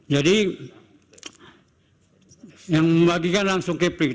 jadi yang membagikan langsung kepling